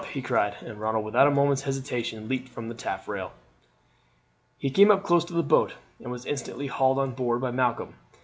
he cried, and Ronald without a moment's hesitation leaped from the taffrail. He came up close to the boat, and was instantly hauled on board by Malcolm.